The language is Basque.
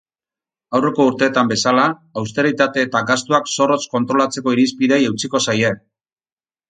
Aurreko urteetan bezala, austeritate eta gastuak zorrotz kontrolatzeko irizpideei eutsiko zaie.